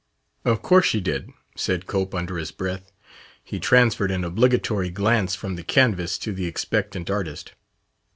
"Of course she did," said Cope under his breath. He transferred an obligatory glance from the canvas to the expectant artist.